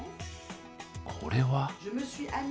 これは？